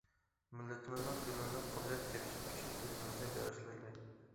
مىللىتىمىزنىڭ گۈللىنىپ قۇدرەت تېپىشى ئۈچۈن ئۆزىمىزنى بېغىشلايلى!